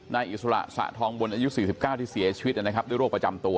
อิสระสะทองบนอายุ๔๙ที่เสียชีวิตนะครับด้วยโรคประจำตัว